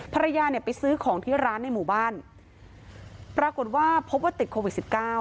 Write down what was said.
ภรรยาไปซื้อของที่ร้านในหมู่บ้านปรากฏว่าพบว่าติดโควิด๑๙